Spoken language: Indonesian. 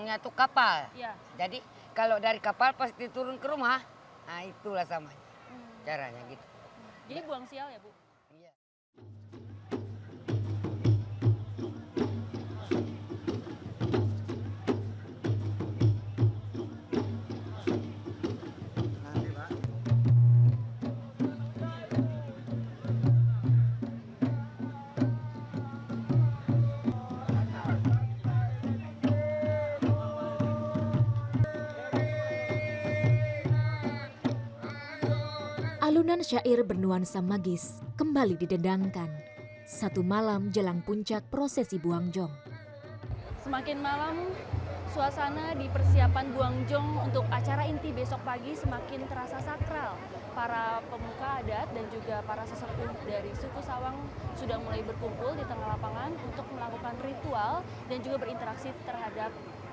pemuka adat dan juga para sesekut dari suku sawang sudah mulai berkumpul di tengah lapangan untuk melakukan ritual dan juga berinteraksi terhadap leluhur mereka